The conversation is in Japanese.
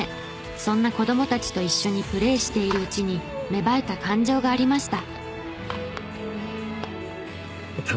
そんな子供たちと一緒にプレーしているうちに芽生えた感情がありました。